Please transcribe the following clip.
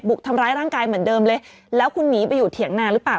ทำร้ายร่างกายเหมือนเดิมเลยแล้วคุณหนีไปอยู่เถียงนาหรือเปล่า